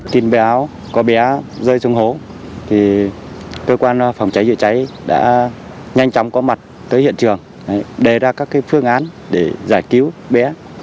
tin béo có bé rơi xuống hố cơ quan phòng cháy chữa cháy đã nhanh chóng có mặt tới hiện trường đề ra các phương án để giải cứu bé